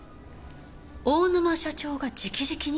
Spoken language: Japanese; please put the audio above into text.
大沼社長が直々に？